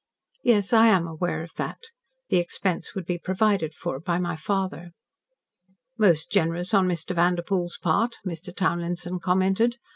"Yes, I am aware of that. The expense would be provided for by my father." "Most generous on Mr. Vanderpoel's part," Mr. Townlinson commented.